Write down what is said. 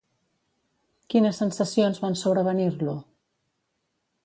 Quines sensacions van sobrevenir-lo?